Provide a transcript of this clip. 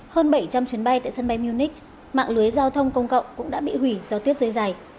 hơn bảy trăm linh chuyến bay tại sân bay munich mạng lưới giao thông công cộng cũng đã bị hủy do tuyết rơi dày